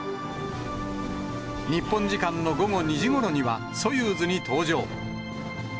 日本時間の午後２時ごろにはソユーズに搭乗。